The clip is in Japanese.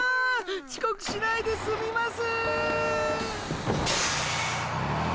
ちこくしないですみます！